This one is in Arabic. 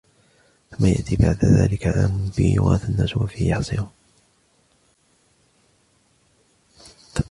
ثم يأتي من بعد ذلك عام فيه يغاث الناس وفيه يعصرون